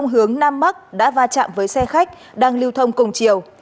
hướng nam bắc đã va chạm với xe khách đang lưu thông cùng chiều